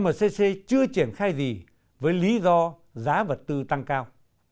một tháng sau mcc chưa triển khai gì với lý do giá vật tư tăng cao